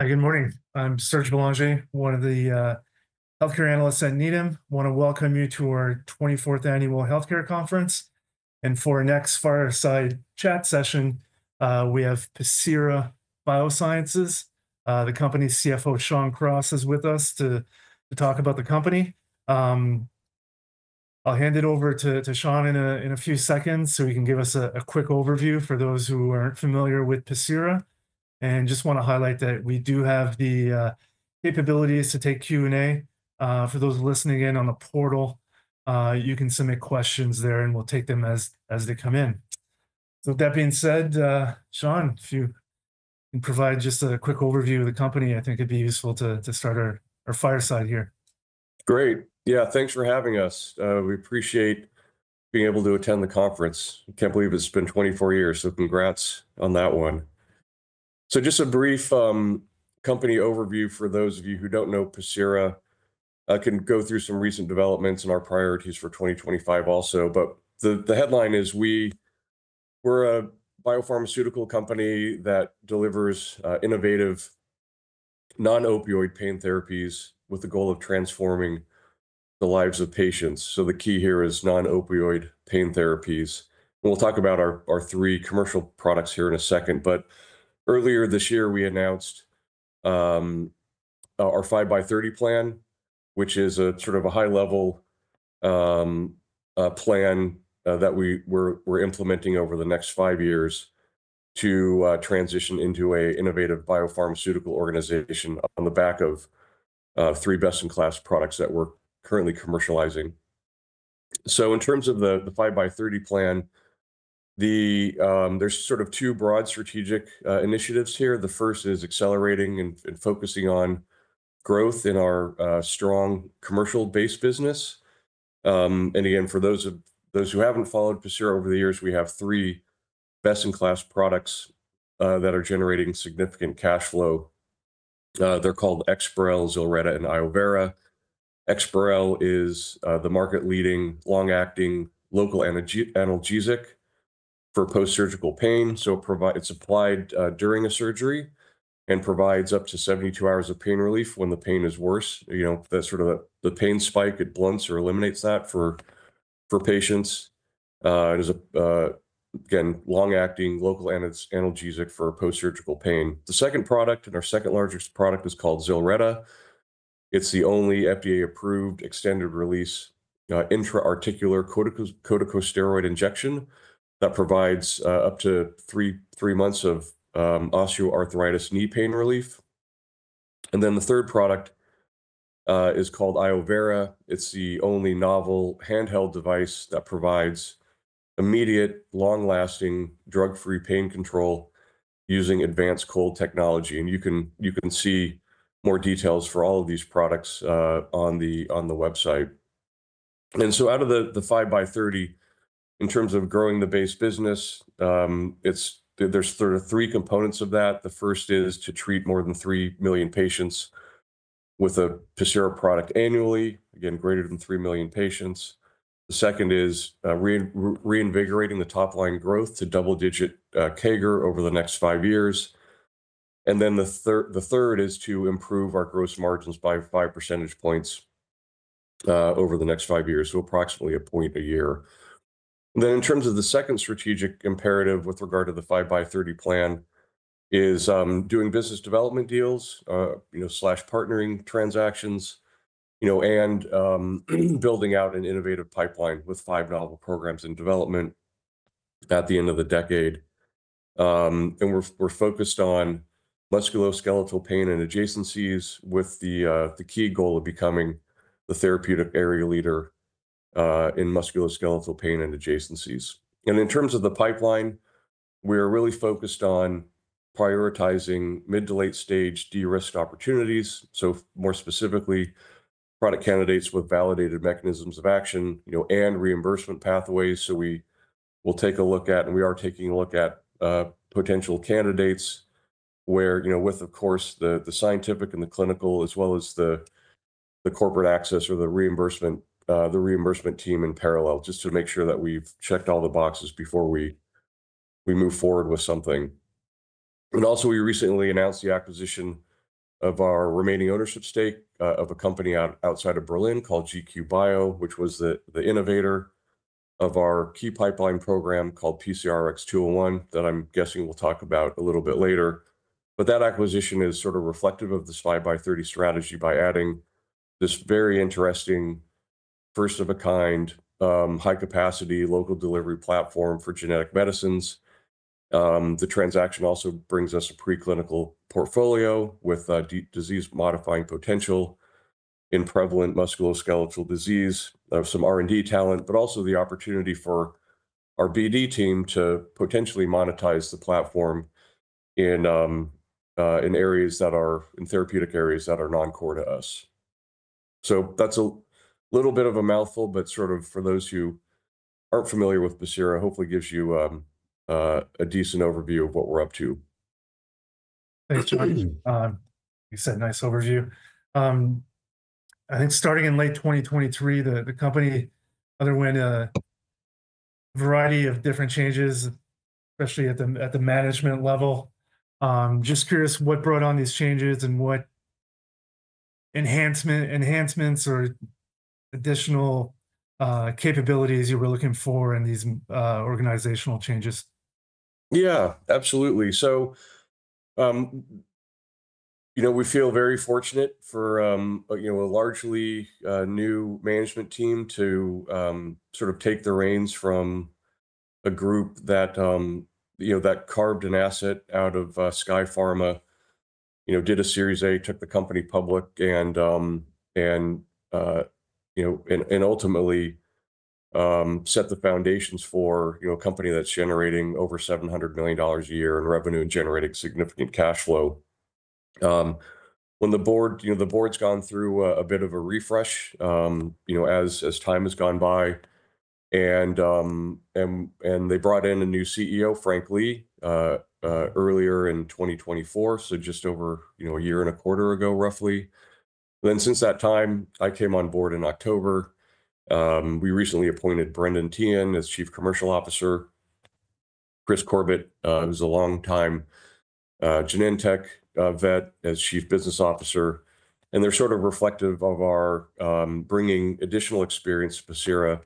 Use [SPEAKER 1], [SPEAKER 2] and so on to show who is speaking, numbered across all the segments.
[SPEAKER 1] Good morning. I'm Serge Belanger, one of the healthcare analysts at Needham. I want to welcome you to our 24th Annual Healthcare Conference. For our next fireside chat session, we have Pacira BioSciences. The company's CFO, Shawn Cross, is with us to talk about the company. I'll hand it over to Shawn in a few seconds so he can give us a quick overview for those who aren't familiar with Pacira. I just want to highlight that we do have the capabilities to take Q&A. For those listening in on the portal, you can submit questions there, and we'll take them as they come in. With that being said, Shawn, if you can provide just a quick overview of the company, I think it'd be useful to start our fireside here.
[SPEAKER 2] Great. Yeah, thanks for having us. We appreciate being able to attend the conference. Can't believe it's been 24 years, so congrats on that one. Just a brief company overview for those of you who don't know Pacira. I can go through some recent developments and our priorities for 2025 also. The headline is we're a biopharmaceutical company that delivers innovative non-opioid pain therapies with the goal of transforming the lives of patients. The key here is non-opioid pain therapies. We'll talk about our three commercial products here in a second. Earlier this year, we announced our 5x30 plan, which is a sort of a high-level plan that we're implementing over the next five years to transition into an innovative biopharmaceutical organization on the back of three best-in-class products that we're currently commercializing. In terms of the 5x30 plan, there's sort of two broad strategic initiatives here. The first is accelerating and focusing on growth in our strong commercial-based business. Again, for those who haven't followed Pacira over the years, we have three best-in-class products that are generating significant cash flow. They're called EXPAREL, ZILRETTA, and iovera. EXPAREL is the market-leading long-acting local analgesic for post-surgical pain. It's applied during a surgery and provides up to 72 hours of pain relief when the pain is worse. That's sort of the pain spike. It blunts or eliminates that for patients. It is, again, a long-acting local analgesic for post-surgical pain. The second product, and our second largest product, is called ZILRETTA. It's the only FDA-approved extended-release intra-articular corticosteroid injection that provides up to three months of osteoarthritis knee pain relief. The third product is called iovera. It's the only novel handheld device that provides immediate, long-lasting, drug-free pain control using advanced cold technology. You can see more details for all of these products on the website. Out of the 5x30, in terms of growing the base business, there are sort of three components of that. The first is to treat more than 3 million patients with a Pacira product annually, again, greater than 3 million patients. The second is reinvigorating the top-line growth to double-digit CAGR over the next five years. The third is to improve our gross margins by 5 percentage points over the next five years, so approximately a point a year. In terms of the second strategic imperative with regard to the 5x30 plan, it is doing business development deals/partnering transactions and building out an innovative pipeline with five novel programs in development at the end of the decade. We are focused on musculoskeletal pain and adjacencies with the key goal of becoming the therapeutic area leader in musculoskeletal pain and adjacencies. In terms of the pipeline, we are really focused on prioritizing mid to late-stage de-risk opportunities, so more specifically, product candidates with validated mechanisms of action and reimbursement pathways. We will take a look at, and we are taking a look at potential candidates where, with, of course, the scientific and the clinical, as well as the corporate access or the reimbursement team in parallel, just to make sure that we have checked all the boxes before we move forward with something. We recently announced the acquisition of our remaining ownership stake of a company outside of Berlin called GQ Bio, which was the innovator of our key pipeline program called PCRX-201 that I am guessing we will talk about a little bit later. That acquisition is sort of reflective of this 5x30 strategy by adding this very interesting, first-of-a-kind, high-capacity local delivery platform for genetic medicines. The transaction also brings us a preclinical portfolio with disease-modifying potential in prevalent musculoskeletal disease, some R&D talent, but also the opportunity for our BD team to potentially monetize the platform in therapeutic areas that are non-core to us. That is a little bit of a mouthful, but sort of for those who aren't familiar with Pacira, hopefully gives you a decent overview of what we're up to.
[SPEAKER 1] Thanks, Shawn. You said nice overview. I think starting in late 2023, the company underwent a variety of different changes, especially at the management level. Just curious what brought on these changes and what enhancements or additional capabilities you were looking for in these organizational changes.
[SPEAKER 2] Yeah, absolutely. We feel very fortunate for a largely new management team to sort of take the reins from a group that carved an asset out of SkyePharma, did a Series A, took the company public, and ultimately set the foundations for a company that's generating over $700 million a year in revenue and generating significant cash flow. The board's gone through a bit of a refresh as time has gone by, and they brought in a new CEO, Frank Lee, earlier in 2024, just over a year and a quarter ago, roughly. Since that time, I came on board in October. We recently appointed Brendan Teehan as Chief Commercial Officer, Chris Corbett, who's a long-time Genentech vet, as Chief Business Officer. They're sort of reflective of our bringing additional experience to Pacira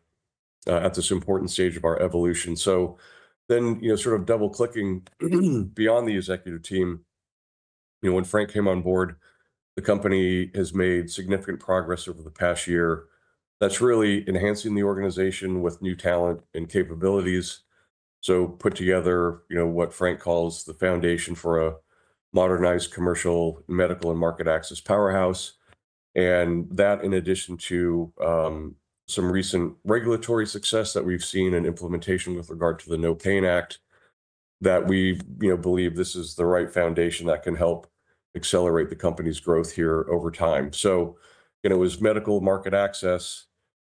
[SPEAKER 2] at this important stage of our evolution. Sort of double-clicking beyond the executive team, when Frank came on board, the company has made significant progress over the past year. That's really enhancing the organization with new talent and capabilities. Put together what Frank calls the foundation for a modernized commercial medical and market access powerhouse. That, in addition to some recent regulatory success that we've seen in implementation with regard to the NOPAIN Act, we believe this is the right foundation that can help accelerate the company's growth here over time. It was medical market access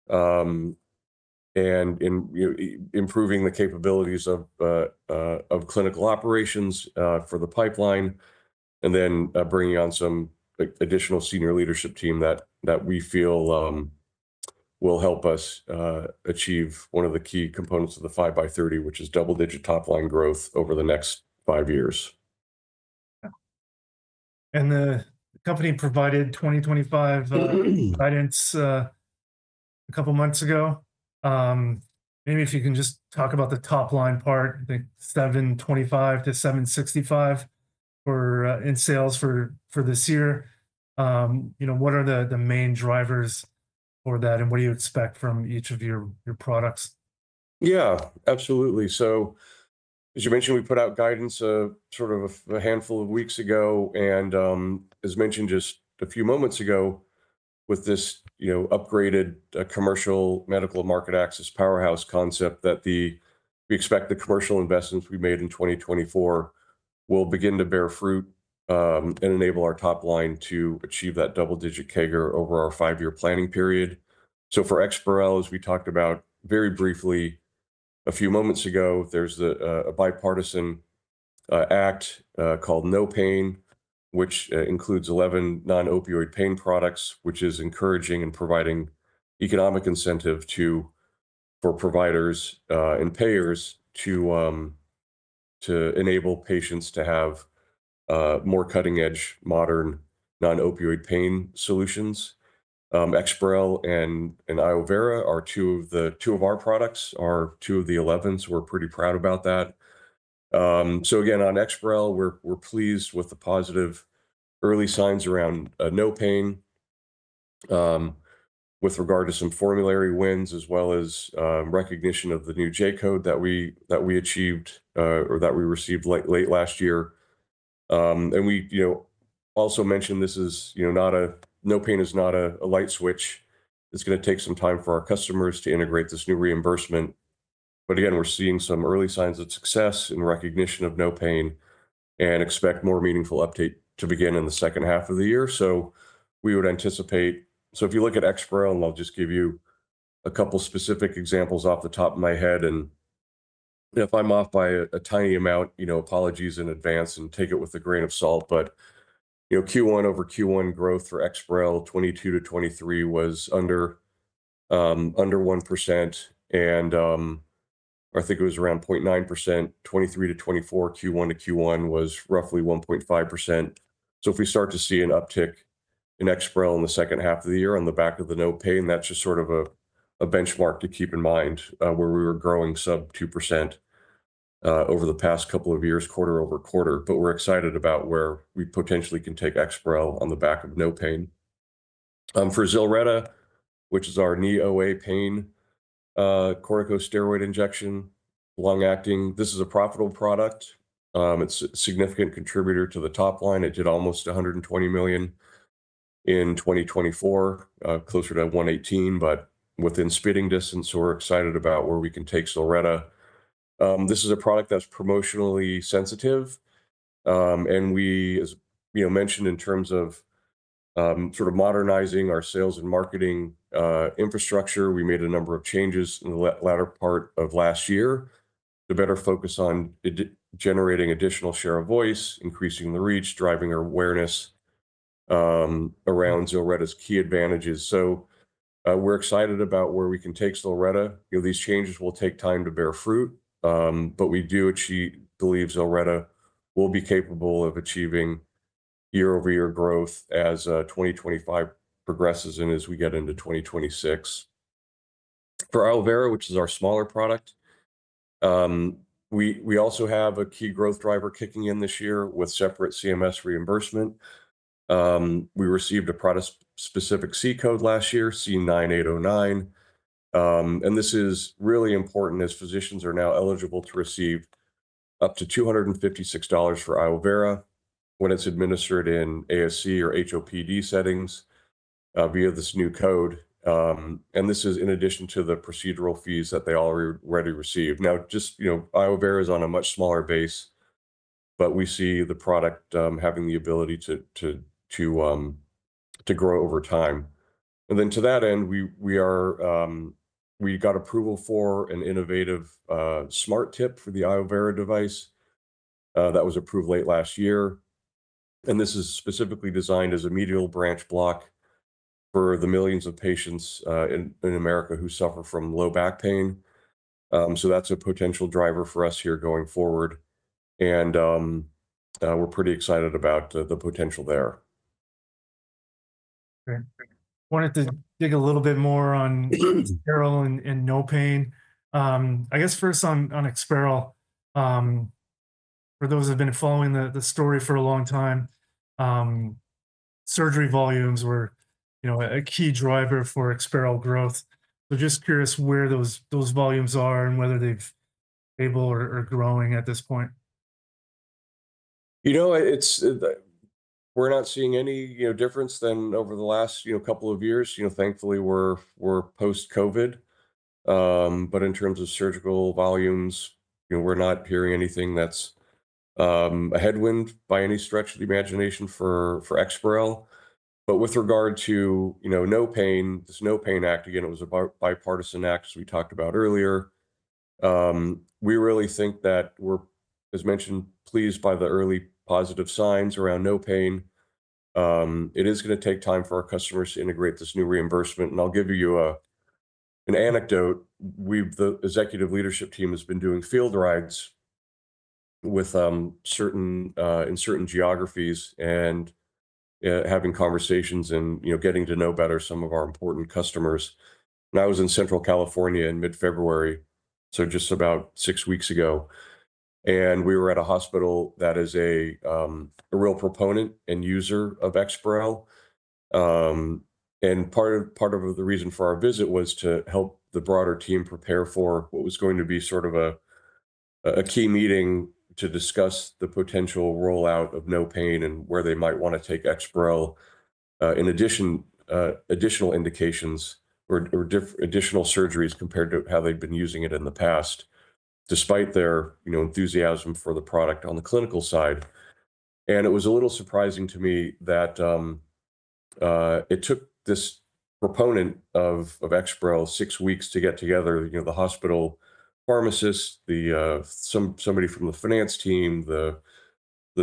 [SPEAKER 2] and improving the capabilities of clinical operations for the pipeline, and then bringing on some additional senior leadership team that we feel will help us achieve one of the key components of the 5x30, which is double-digit top-line growth over the next five years.
[SPEAKER 1] The company provided 2025 guidance a couple of months ago. Maybe if you can just talk about the top-line part, the $725-$765 million in sales for this year, what are the main drivers for that, and what do you expect from each of your products?
[SPEAKER 2] Yeah, absolutely. As you mentioned, we put out guidance sort of a handful of weeks ago. As mentioned just a few moments ago, with this upgraded commercial medical market access powerhouse concept, we expect the commercial investments we made in 2024 will begin to bear fruit and enable our top line to achieve that double-digit CAGR over our five-year planning period. For EXPAREL, as we talked about very briefly a few moments ago, there's a bipartisan act called NOPAIN, which includes 11 non-opioid pain products, which is encouraging and providing economic incentive for providers and payers to enable patients to have more cutting-edge, modern non-opioid pain solutions. EXPAREL and iovera are two of our products, are two of the 11. We're pretty proud about that. Again, on EXPAREL, we're pleased with the positive early signs around NOPAIN with regard to some formulary wins, as well as recognition of the new J code that we achieved or that we received late last year. We also mentioned this is not a NOPAIN is not a light switch. It's going to take some time for our customers to integrate this new reimbursement. Again, we're seeing some early signs of success and recognition of NOPAIN and expect more meaningful update to begin in the second half of the year. We would anticipate so if you look at EXPAREL, and I'll just give you a couple of specific examples off the top of my head, and if I'm off by a tiny amount, apologies in advance, and take it with a grain of salt. Q1 over Q1 growth for EXPAREL 22 to 23 was under 1%. I think it was around 0.9%. 23 to 24, Q1 to Q1 was roughly 1.5%. If we start to see an uptick in EXPAREL in the second half of the year on the back of the NOPAIN, that's just sort of a benchmark to keep in mind where we were growing sub 2% over the past couple of years, quarter over quarter. We're excited about where we potentially can take EXPAREL on the back of NOPAIN. For ZILRETTA, which is our knee OA pain corticosteroid injection, long-acting, this is a profitable product. It's a significant contributor to the top line. It did almost $120 million in 2024, closer to $118 million, but within spitting distance. We're excited about where we can take ZILRETTA. This is a product that's promotionally sensitive. As mentioned, in terms of sort of modernizing our sales and marketing infrastructure, we made a number of changes in the latter part of last year to better focus on generating additional share of voice, increasing the reach, driving awareness around ZILRETTA's key advantages. We are excited about where we can take ZILRETTA. These changes will take time to bear fruit, but we do believe ZILRETTA will be capable of achieving year-over-year growth as 2025 progresses and as we get into 2026. For iovera, which is our smaller product, we also have a key growth driver kicking in this year with separate CMS reimbursement. We received a product-specific C code last year, C9809. This is really important as physicians are now eligible to receive up to $256 for iovera when it is administered in ASC or HOPD settings via this new code. This is in addition to the procedural fees that they already received. Just iovera is on a much smaller base, but we see the product having the ability to grow over time. To that end, we got approval for an innovative smart tip for the iovera device that was approved late last year. This is specifically designed as a medial branch block for the millions of patients in America who suffer from low back pain. That is a potential driver for us here going forward. We are pretty excited about the potential there.
[SPEAKER 1] Okay. Wanted to dig a little bit more on EXPAREL and NOPAIN. I guess first on EXPAREL, for those who have been following the story for a long time, surgery volumes were a key driver for EXPAREL growth. Just curious where those volumes are and whether they've stable or growing at this point.
[SPEAKER 2] We're not seeing any difference than over the last couple of years. Thankfully, we're post-COVID. In terms of surgical volumes, we're not hearing anything that's a headwind by any stretch of the imagination for EXPAREL. With regard to NOPAIN, this NOPAIN Act, again, it was a bipartisan act as we talked about earlier. We really think that we're, as mentioned, pleased by the early positive signs around NOPAIN. It is going to take time for our customers to integrate this new reimbursement. I'll give you an anecdote. The executive leadership team has been doing field rides in certain geographies and having conversations and getting to know better some of our important customers. I was in Central California in mid-February, so just about six weeks ago. We were at a hospital that is a real proponent and user of EXPAREL. Part of the reason for our visit was to help the broader team prepare for what was going to be sort of a key meeting to discuss the potential rollout of NOPAIN and where they might want to take EXPAREL, additional indications or additional surgeries compared to how they've been using it in the past, despite their enthusiasm for the product on the clinical side. It was a little surprising to me that it took this proponent of EXPAREL six weeks to get together, the hospital pharmacist, somebody from the finance team, the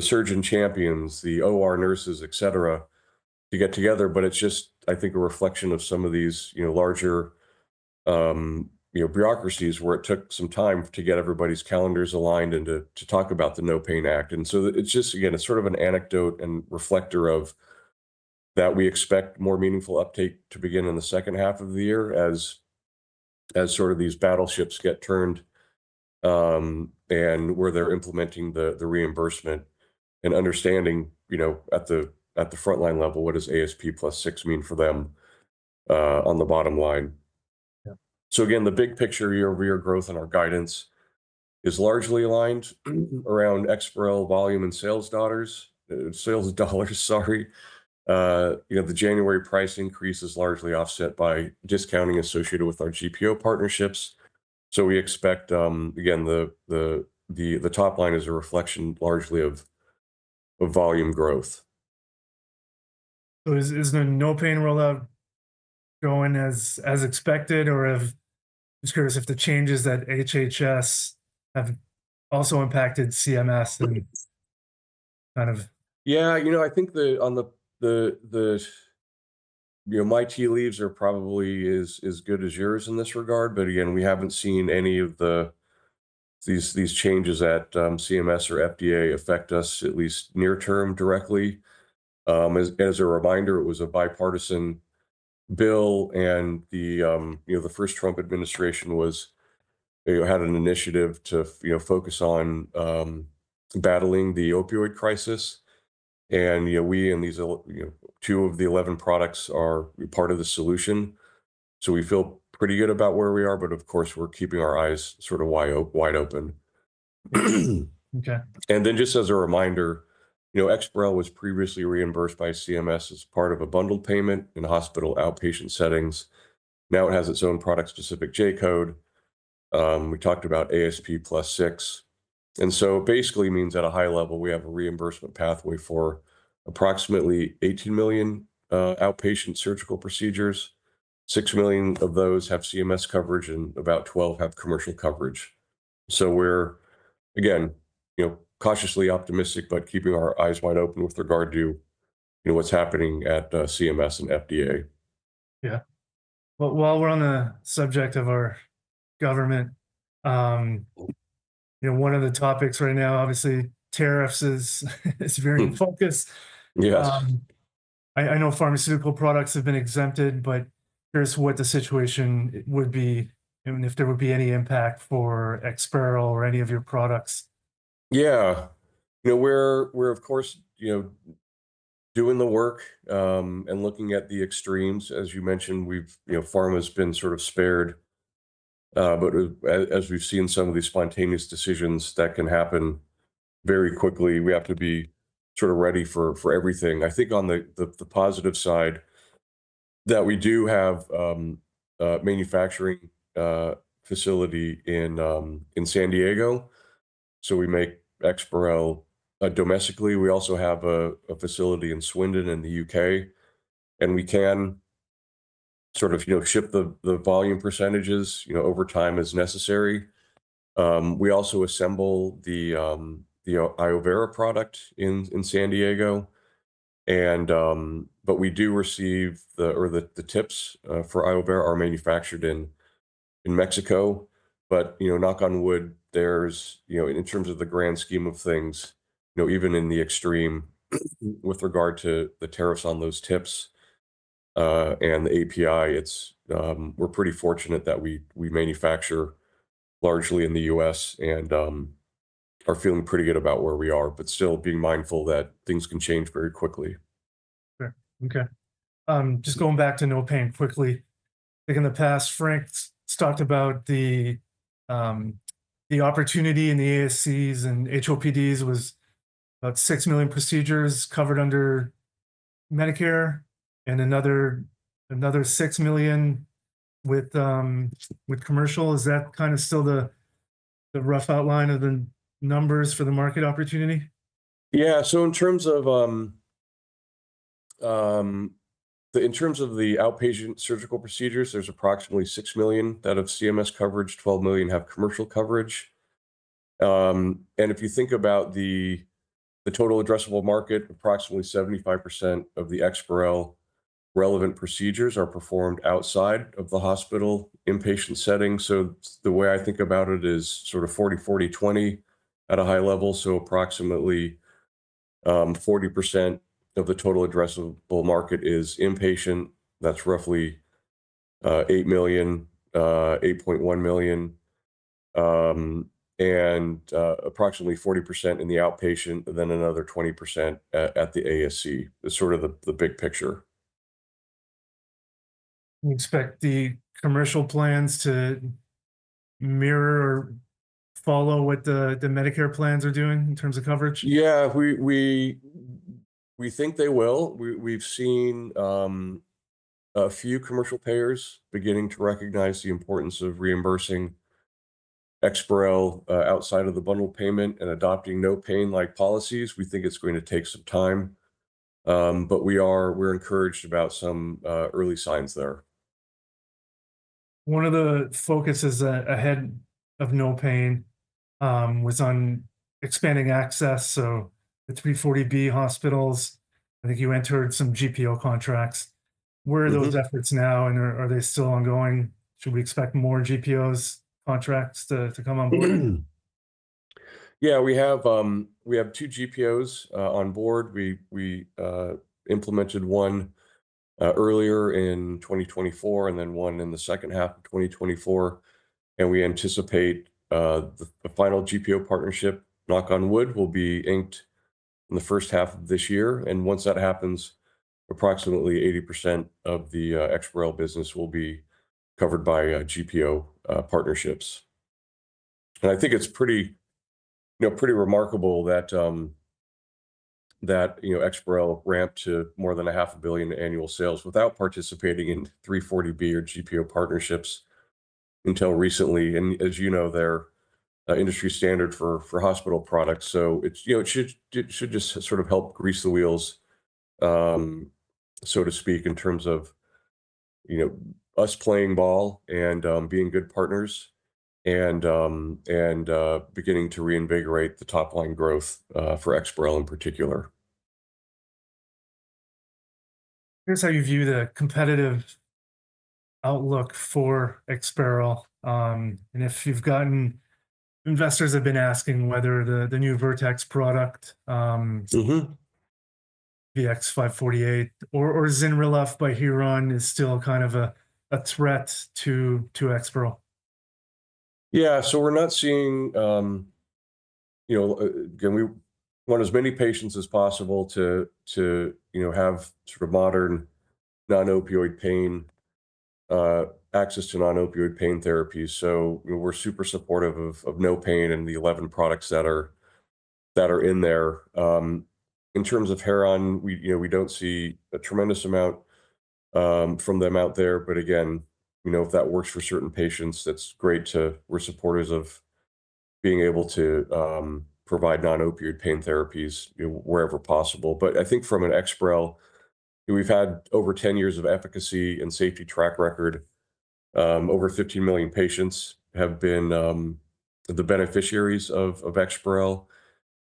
[SPEAKER 2] surgeon champions, the OR nurses, etc., to get together. I think it's just a reflection of some of these larger bureaucracies where it took some time to get everybody's calendars aligned and to talk about the NOPAIN Act. It is just, again, sort of an anecdote and reflector of that we expect more meaningful uptake to begin in the second half of the year as sort of these battleships get turned and where they are implementing the reimbursement and understanding at the frontline level, what does ASP plus 6% mean for them on the bottom line? Again, the big picture year-over-year growth in our guidance is largely aligned around EXPAREL volume and sales dollars, sales dollars, sorry. The January price increase is largely offset by discounting associated with our GPO partnerships. We expect, again, the top line is a reflection largely of volume growth.
[SPEAKER 1] Is the NOPAIN rollout going as expected? Or I'm just curious if the changes that HHS have also impacted CMS and kind of.
[SPEAKER 2] Yeah, I think my tea leaves are probably as good as yours in this regard. Again, we have not seen any of these changes at CMS or FDA affect us at least near-term directly. As a reminder, it was a bipartisan bill. The first Trump administration had an initiative to focus on battling the opioid crisis. We and these two of the 11 products are part of the solution. We feel pretty good about where we are. Of course, we are keeping our eyes sort of wide open. Just as a reminder, EXPAREL was previously reimbursed by CMS as part of a bundled payment in hospital outpatient settings. Now it has its own product-specific J code. We talked about ASP plus 6%. It basically means at a high level, we have a reimbursement pathway for approximately 18 million outpatient surgical procedures. 6 million of those have CMS coverage, and about 12 have commercial coverage. We're, again, cautiously optimistic, but keeping our eyes wide open with regard to what's happening at CMS and FDA.
[SPEAKER 1] Yeah. While we're on the subject of our government, one of the topics right now, obviously, tariffs is very in focus. I know pharmaceutical products have been exempted, but here's what the situation would be and if there would be any impact for EXPAREL or any of your products.
[SPEAKER 2] Yeah. We're, of course, doing the work and looking at the extremes. As you mentioned, pharma has been sort of spared. As we've seen some of these spontaneous decisions that can happen very quickly, we have to be sort of ready for everything. I think on the positive side that we do have a manufacturing facility in San Diego. We make EXPAREL domestically. We also have a facility in Swindon in the U.K. We can sort of ship the volume percentages over time as necessary. We also assemble the iovera product in San Diego. We do receive the tips for iovera, which are manufactured in Mexico. Knock on wood, in terms of the grand scheme of things, even in the extreme with regard to the tariffs on those tips and the API, we're pretty fortunate that we manufacture largely in the US and are feeling pretty good about where we are, but still being mindful that things can change very quickly.
[SPEAKER 1] Sure. Okay. Just going back to NOPAIN quickly. In the past, Frank talked about the opportunity in the ASCs and HOPDs was about 6 million procedures covered under Medicare and another 6 million with commercial. Is that kind of still the rough outline of the numbers for the market opportunity?
[SPEAKER 2] Yeah. In terms of the outpatient surgical procedures, there's approximately 6 million that have CMS coverage. 12 million have commercial coverage. If you think about the total addressable market, approximately 75% of the EXPAREL relevant procedures are performed outside of the hospital inpatient setting. The way I think about it is sort of 40, 40, 20 at a high level. Approximately 40% of the total addressable market is inpatient. That's roughly 8 million, 8.1 million. Approximately 40% is in the outpatient, then another 20% at the ASC. That's sort of the big picture.
[SPEAKER 1] You expect the commercial plans to mirror or follow what the Medicare plans are doing in terms of coverage?
[SPEAKER 2] Yeah. We think they will. We've seen a few commercial payers beginning to recognize the importance of reimbursing EXPAREL outside of the bundled payment and adopting NOPAIN Act-like policies. We think it's going to take some time. We are encouraged about some early signs there.
[SPEAKER 1] One of the focuses ahead of NOPAIN was on expanding access. The 340B hospitals, I think you entered some GPO contracts. Where are those efforts now? Are they still ongoing? Should we expect more GPO contracts to come on board?
[SPEAKER 2] Yeah. We have two GPOs on board. We implemented one earlier in 2024 and then one in the second half of 2024. We anticipate the final GPO partnership, knock on wood, will be inked in the first half of this year. Once that happens, approximately 80% of the EXPAREL business will be covered by GPO partnerships. I think it is pretty remarkable that EXPAREL ramped to more than $500,000,000 annual sales without participating in 340B or GPO partnerships until recently. As you know, they are industry standard for hospital products. It should just sort of help grease the wheels, so to speak, in terms of us playing ball and being good partners and beginning to reinvigorate the top line growth for EXPAREL in particular.
[SPEAKER 1] I guess how you view the competitive outlook for EXPAREL. If you've gotten investors have been asking whether the new Vertex product, the VX-548 or ZYNRELEF by Heron, is still kind of a threat to EXPAREL.
[SPEAKER 2] Yeah. We are not seeing, again, we want as many patients as possible to have sort of modern non-opioid pain, access to non-opioid pain therapies. We are super supportive of NOPAIN and the 11 products that are in there. In terms of Heron, we do not see a tremendous amount from them out there. Again, if that works for certain patients, that is great. We are supportive of being able to provide non-opioid pain therapies wherever possible. I think from an EXPAREL, we have had over 10 years of efficacy and safety track record. Over 15 million patients have been the beneficiaries of EXPAREL.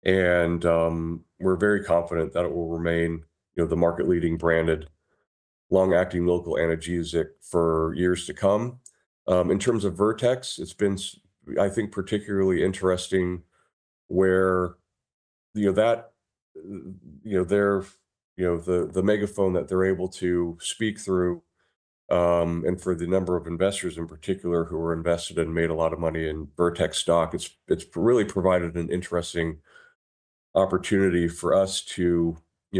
[SPEAKER 2] We are very confident that it will remain the market-leading branded long-acting local analgesic for years to come. In terms of Vertex, it's been, I think, particularly interesting where the megaphone that they're able to speak through and for the number of investors in particular who were invested and made a lot of money in Vertex stock, it's really provided an interesting opportunity for us to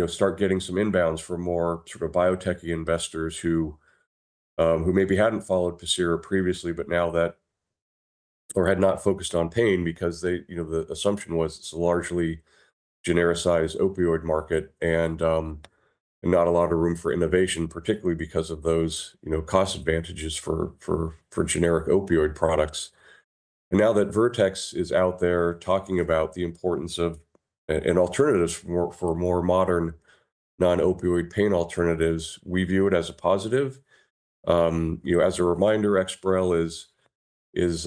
[SPEAKER 2] start getting some inbounds for more sort of biotechy investors who maybe hadn't followed Pacira previously, but now that or had not focused on pain because the assumption was it's a largely genericized opioid market and not a lot of room for innovation, particularly because of those cost advantages for generic opioid products. Now that Vertex is out there talking about the importance of an alternative for more modern non-opioid pain alternatives, we view it as a positive. As a reminder, EXPAREL is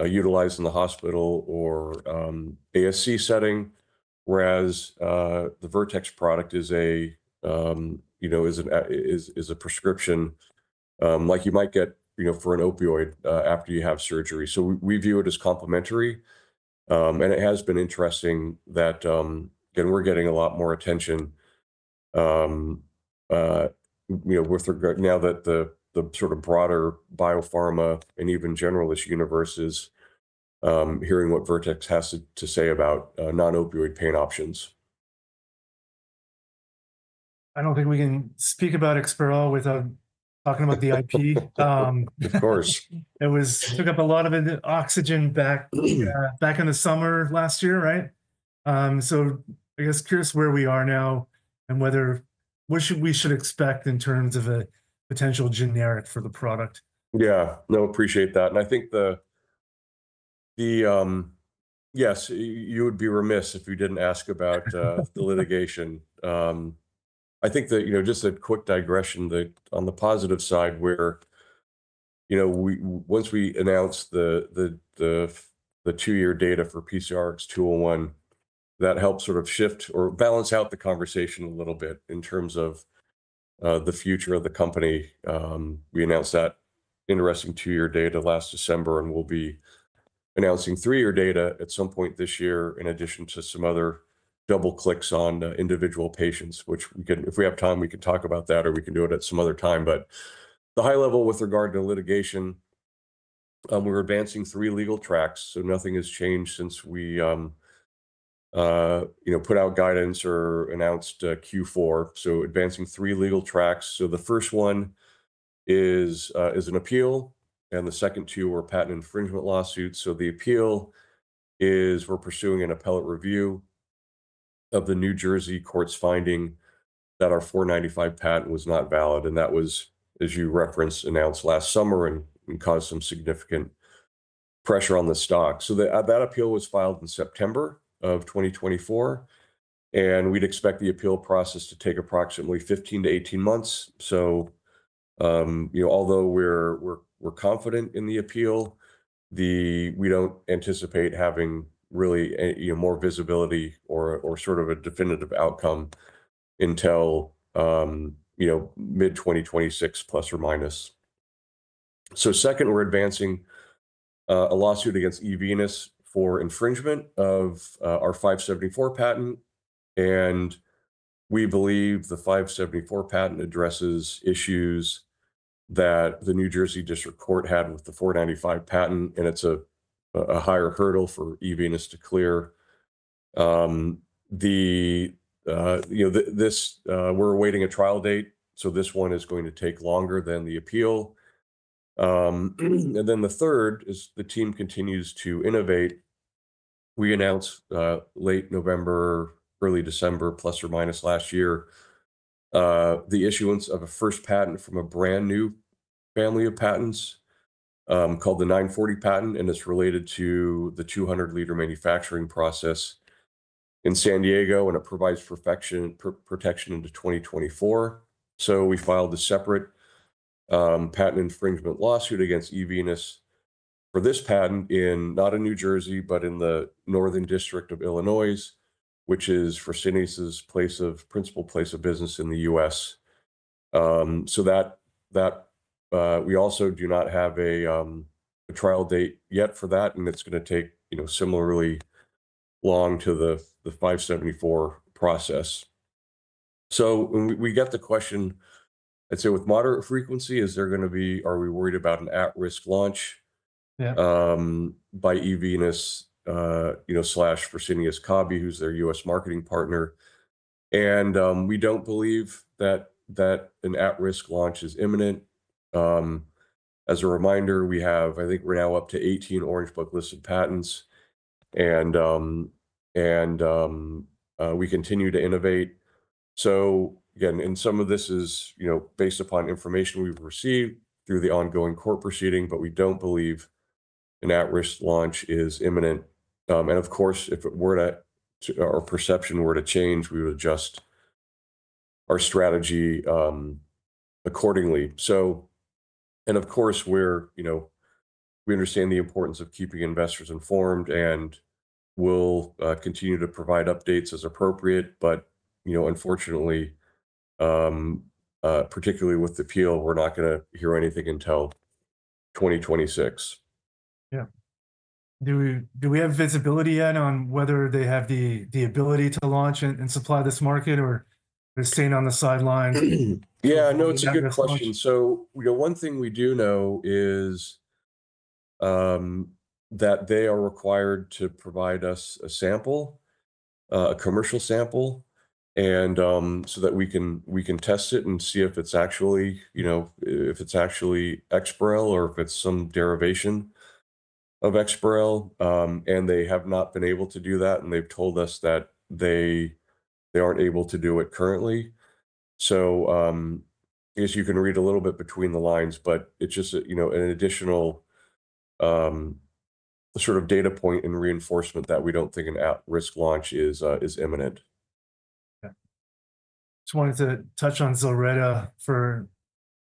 [SPEAKER 2] utilized in the hospital or ASC setting, whereas the Vertex product is a prescription like you might get for an opioid after you have surgery. We view it as complementary. It has been interesting that, again, we're getting a lot more attention with regard now that the sort of broader biopharma and even generalist universe is hearing what Vertex has to say about non-opioid pain options.
[SPEAKER 1] I don't think we can speak about EXPAREL without talking about the IP.
[SPEAKER 2] Of course.
[SPEAKER 1] It took up a lot of the oxygen back in the summer last year, right? I guess curious where we are now and what we should expect in terms of a potential generic for the product.
[SPEAKER 2] Yeah. No, appreciate that. I think yes, you would be remiss if you didn't ask about the litigation. I think just a quick digression on the positive side where once we announced the two-year data for PCRX-201, that helped sort of shift or balance out the conversation a little bit in terms of the future of the company. We announced that interesting two-year data last December, and we'll be announcing three-year data at some point this year in addition to some other double clicks on individual patients, which if we have time, we can talk about that, or we can do it at some other time. The high level with regard to litigation, we're advancing three legal tracks. Nothing has changed since we put out guidance or announced Q4. Advancing three legal tracks. The first one is an appeal, and the second two were patent infringement lawsuits. The appeal is we're pursuing an appellate review of the New Jersey court's finding that our 495 patent was not valid. That was, as you referenced, announced last summer and caused some significant pressure on the stock. That appeal was filed in September of 2024. We'd expect the appeal process to take approximately 15-18 months. Although we're confident in the appeal, we don't anticipate having really more visibility or sort of a definitive outcome until mid-2026 plus or minus. Second, we're advancing a lawsuit against eVenus for infringement of our 574 patent. We believe the 574 patent addresses issues that the New Jersey District Court had with the 495 patent, and it's a higher hurdle for eVenus to clear. We're awaiting a trial date. This one is going to take longer than the appeal. The third is the team continues to innovate. We announced late November, early December, plus or minus last year, the issuance of a first patent from a brand new family of patents called the 940 patent. It is related to the 200-liter manufacturing process in San Diego, and it provides protection into 2044. We filed a separate patent infringement lawsuit against eVenus for this patent not in New Jersey, but in the Northern District of Illinois, which is Fresenius's principal place of business in the US. We also do not have a trial date yet for that, and it is going to take similarly long to the 574 process. We get the question, I'd say, with moderate frequency, is there going to be, are we worried about an at-risk launch by eVenus/Fresenius Kabi, who's their US marketing partner? We don't believe that an at-risk launch is imminent. As a reminder, I think we're now up to 18 Orange Book listed patents, and we continue to innovate. Again, and some of this is based upon information we've received through the ongoing court proceeding, but we don't believe an at-risk launch is imminent. Of course, if our perception were to change, we would adjust our strategy accordingly. Of course, we understand the importance of keeping investors informed and will continue to provide updates as appropriate. Unfortunately, particularly with the appeal, we're not going to hear anything until 2026.
[SPEAKER 1] Yeah. Do we have visibility yet on whether they have the ability to launch and supply this market, or they're staying on the sidelines?
[SPEAKER 2] Yeah. No, it's a good question. One thing we do know is that they are required to provide us a sample, a commercial sample, so that we can test it and see if it's actually EXPAREL or if it's some derivation of EXPAREL. They have not been able to do that, and they've told us that they aren't able to do it currently. Yes, you can read a little bit between the lines, but it's just an additional sort of data point and reinforcement that we don't think an at-risk launch is imminent.
[SPEAKER 1] Yeah. Just wanted to touch on ZILRETTA for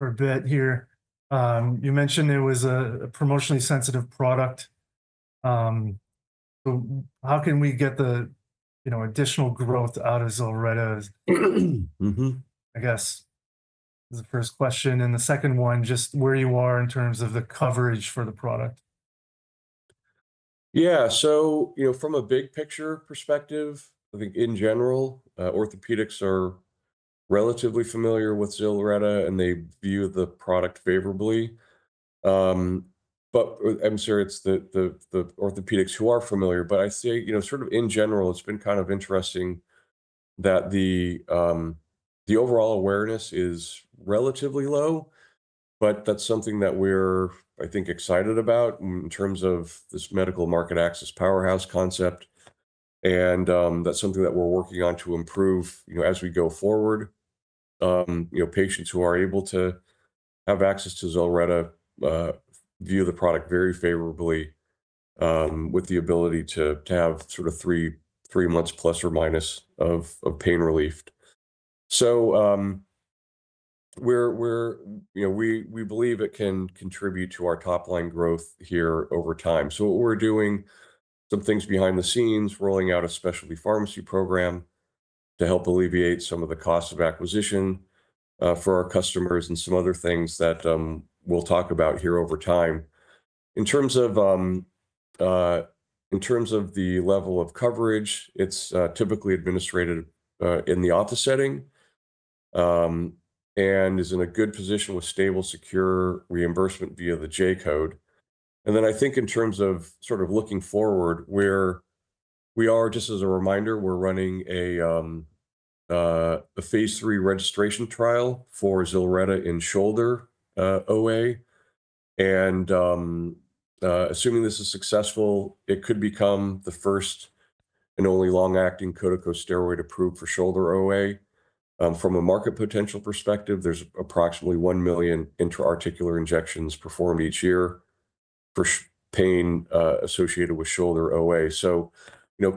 [SPEAKER 1] a bit here. You mentioned it was a promotionally sensitive product. How can we get the additional growth out of ZILRETTA, I guess, is the first question. The second one, just where you are in terms of the coverage for the product.
[SPEAKER 2] Yeah. From a big-picture perspective, I think in general, orthopedics are relatively familiar with ZILRETTA, and they view the product favorably. I'm sure it's the orthopedics who are familiar. I'd say sort of in general, it's been kind of interesting that the overall awareness is relatively low, but that's something that we're, I think, excited about in terms of this medical market access powerhouse concept. That's something that we're working on to improve as we go forward. Patients who are able to have access to ZILRETTA view the product very favorably with the ability to have sort of three months plus or minus of pain relief. We believe it can contribute to our top line growth here over time. What we're doing, some things behind the scenes, rolling out a specialty pharmacy program to help alleviate some of the costs of acquisition for our customers and some other things that we'll talk about here over time. In terms of the level of coverage, it's typically administrated in the office setting and is in a good position with stable, secure reimbursement via the J code. I think in terms of sort of looking forward, we are, just as a reminder, we're running a phase three registration trial for ZILRETTA in shoulder OA. Assuming this is successful, it could become the first and only long-acting corticosteroid approved for shoulder OA. From a market potential perspective, there's approximately 1 million intra-articular injections performed each year for pain associated with shoulder OA.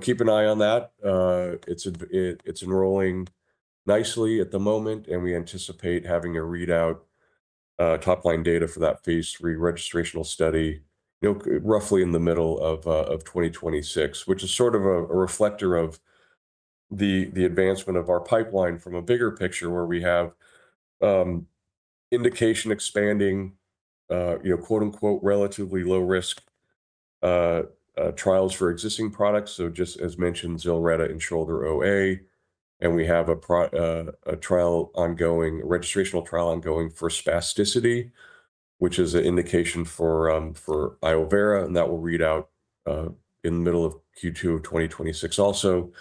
[SPEAKER 2] Keep an eye on that. It's enrolling nicely at the moment, and we anticipate having a readout top line data for that phase three registrational study roughly in the middle of 2026, which is sort of a reflector of the advancement of our pipeline from a bigger picture where we have indication expanding, quote-unquote, "relatively low-risk trials for existing products." Just as mentioned, ZILRETTA in shoulder OA. We have a registrational trial ongoing for spasticity, which is an indication for iovera, and that will read out in the middle of Q2 of 2026 also.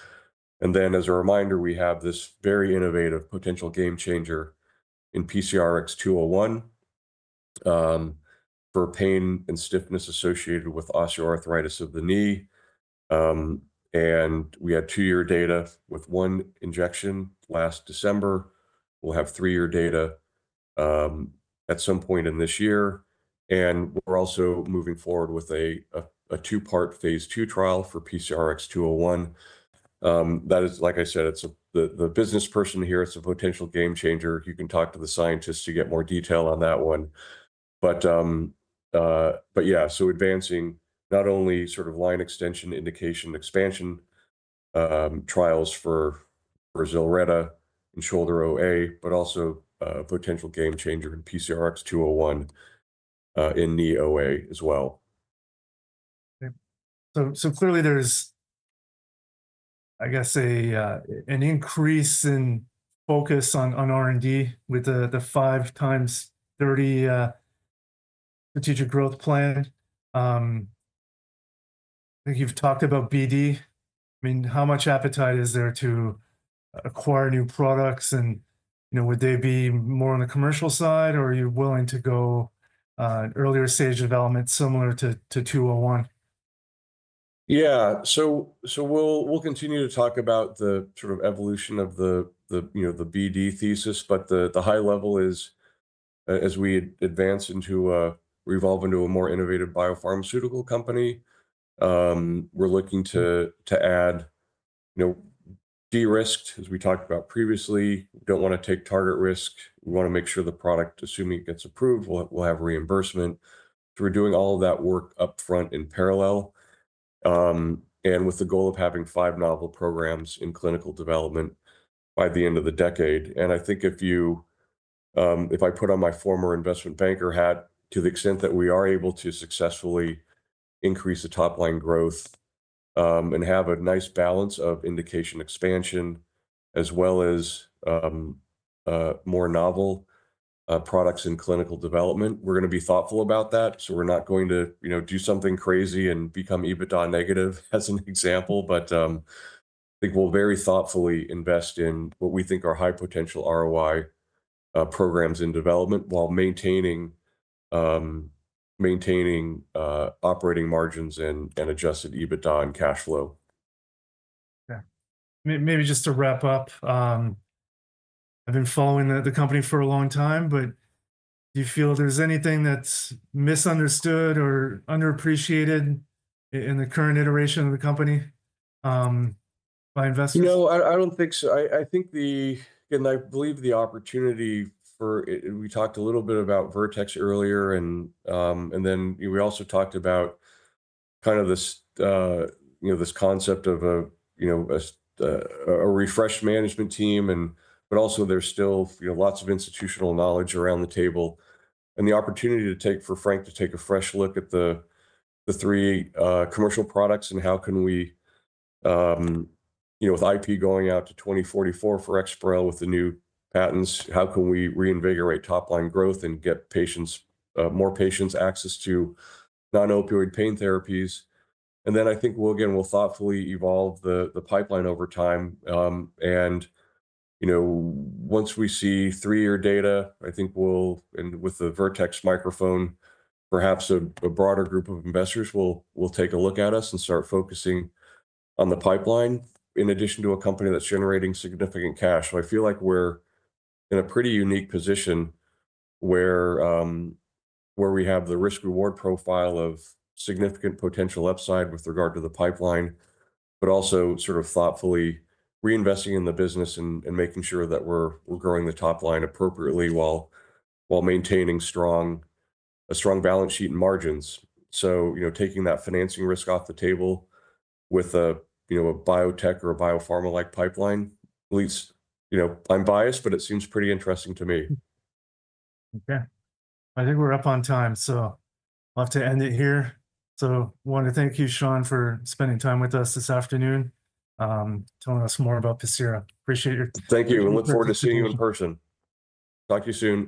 [SPEAKER 2] As a reminder, we have this very innovative potential game changer in PCRX-201 for pain and stiffness associated with osteoarthritis of the knee. We had two-year data with one injection last December. We'll have three-year data at some point in this year. We're also moving forward with a two-part phase two trial for PCRX-201. That is, like I said, the business person here, it's a potential game changer. You can talk to the scientists to get more detail on that one. Yeah, advancing not only sort of line extension indication expansion trials for ZILRETTA in shoulder OA, but also a potential game changer in PCRX-201 in knee OA as well.
[SPEAKER 1] Okay. Clearly, there is, I guess, an increase in focus on R&D with the 5x30 strategic growth plan. I think you have talked about BD. I mean, how much appetite is there to acquire new products? Would they be more on the commercial side, or are you willing to go earlier stage development similar to 201?
[SPEAKER 2] Yeah. We'll continue to talk about the sort of evolution of the BD thesis, but the high level is, as we advance into, revolve into a more innovative biopharmaceutical company, we're looking to add de-risked, as we talked about previously. We don't want to take target risk. We want to make sure the product, assuming it gets approved, will have reimbursement. We're doing all of that work upfront in parallel with the goal of having five novel programs in clinical development by the end of the decade. I think if I put on my former investment banker hat, to the extent that we are able to successfully increase the top line growth and have a nice balance of indication expansion as well as more novel products in clinical development, we're going to be thoughtful about that. We're not going to do something crazy and become EBITDA negative, as an example, but I think we'll very thoughtfully invest in what we think are high-potential ROI programs in development while maintaining operating margins and adjusted EBITDA and cash flow.
[SPEAKER 1] Okay. Maybe just to wrap up, I've been following the company for a long time, but do you feel there's anything that's misunderstood or underappreciated in the current iteration of the company by investors?
[SPEAKER 2] No, I don't think so. I think, again, I believe the opportunity for it. We talked a little bit about Vertex earlier, and then we also talked about kind of this concept of a refreshed management team, but also there's still lots of institutional knowledge around the table. The opportunity to take for Frank to take a fresh look at the three commercial products and how can we, with IP going out to 2044 for EXPAREL with the new patents, how can we reinvigorate top line growth and get more patients' access to non-opioid pain therapies? I think, again, we'll thoughtfully evolve the pipeline over time. Once we see three-year data, I think we'll, and with the Vertex microphone, perhaps a broader group of investors will take a look at us and start focusing on the pipeline in addition to a company that's generating significant cash. I feel like we're in a pretty unique position where we have the risk-reward profile of significant potential upside with regard to the pipeline, but also sort of thoughtfully reinvesting in the business and making sure that we're growing the top line appropriately while maintaining a strong balance sheet and margins. Taking that financing risk off the table with a biotech or a biopharma-like pipeline leads—I'm biased, but it seems pretty interesting to me.
[SPEAKER 1] Okay. I think we're up on time, so I'll have to end it here. I want to thank you, Shawn, for spending time with us this afternoon, telling us more about Pacira. Appreciate your time.
[SPEAKER 2] Thank you. I look forward to seeing you in person. Talk to you soon.